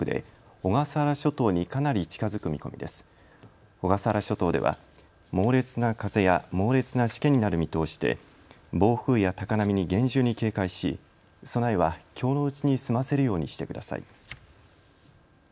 小笠原諸島では猛烈な風や猛烈なしけになる見通しで暴風や高波に厳重に警戒し、備えはきょうのうちに済ませるようにしてください。